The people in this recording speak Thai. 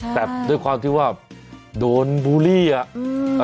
แต่ด้วยความที่ว่าโดนบูลลี่อ่ะ